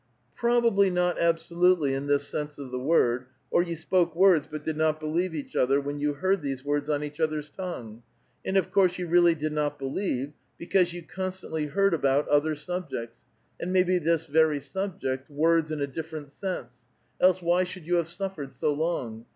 *' Probably not absolutely in this sense of the word, or you spoke words, but did not believe each other, when you heard these words on each other's tongue ; and of course you really did not believe, because vou constantly heard about other subjects, and maybe this very subject, words in a different sense; else why should you have suffered so long?